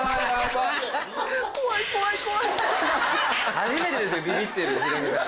初めてですよビビってるヒロミさん。